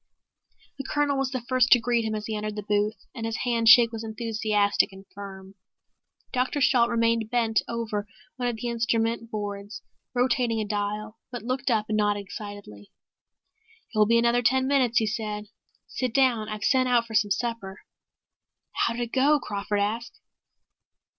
The Colonel was the first to greet him as he entered the booth, and his handshake was enthusiastic and firm. Dr. Shalt remained bent over one of the instrument boards rotating a dial, but looked up and nodded excitedly. "It will be another ten minutes," he said. "Sit down. I've sent out for some supper." "How did it go?" Crawford asked.